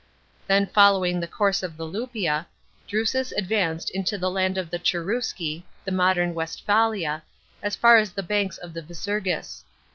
Then following the course of ths Luppia, Drtis is advanced into the land of the Cherusci (the modern Westphalia), as far as the banks of the Visurgis.